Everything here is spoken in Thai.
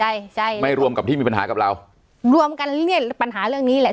ใช่ใช่ไม่รวมกับที่มีปัญหากับเรารวมกันเลี่ยนปัญหาเรื่องนี้แหละ